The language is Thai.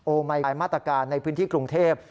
โอไหมคลายมาตรการในพื้นที่กรุงเทพฯ